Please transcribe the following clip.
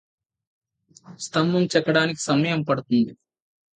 స్తంభం చెక్కడానికి సమయం పడుతుంది